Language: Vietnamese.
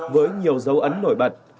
với nhiều dấu ấn nổi bật